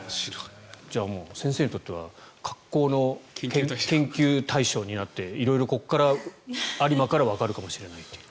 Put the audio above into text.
じゃあ、先生にとっては格好の研究対象になって色々ここから、有馬からわかるかもしれないという。